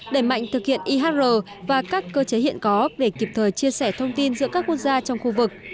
đẩy mạnh thực hiện ihr và các cơ chế hiện có để kịp thời chia sẻ thông tin giữa các quốc gia trong khu vực